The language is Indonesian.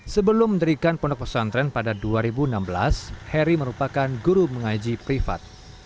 sebelum mendirikan pondok pesantren pada dua ribu enam belas heri merupakan guru mengaji privat